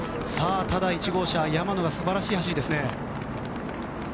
ただ、１号車山野は素晴らしい走りですね。